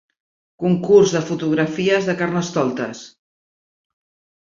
Concurs de fotografies de Carnestoltes.